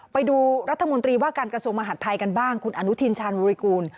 ไปดูรัฐมนตรีว่าการกระทรวงมหาดไทยกันบ้างคุณอนุทินชาญบริกูล